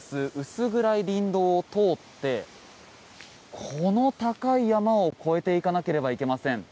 薄暗い林道を通ってこの高い山を越えていかなければいけません。